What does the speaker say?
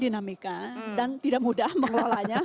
dinamika dan tidak mudah mengelolanya